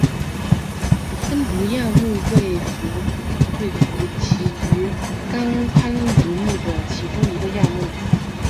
攀鲈亚目为辐鳍鱼纲攀鲈目的其中一个亚目。